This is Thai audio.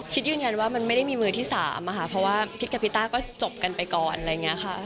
คิดยืนยันว่ามันไม่ได้มีมือที่สามค่ะเพราะว่าคิดกับพี่ต้าก็จบกันไปก่อน